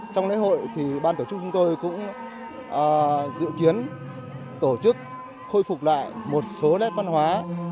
trong lễ hội thì ban tổ chức chúng tôi cũng dự kiến tổ chức khôi phục lại một số nét văn hóa